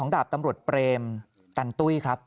ดาบตำรวจเปรมตันตุ้ยครับ